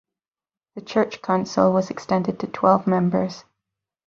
The church council was extended to twelve members.